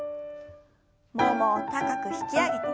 ももを高く引き上げて。